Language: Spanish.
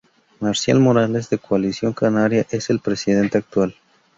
Marcial Morales de Coalición Canaria es el presidente actual.